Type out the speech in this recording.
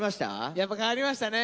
やっぱ変わりましたね。